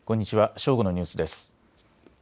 正午のニュースです。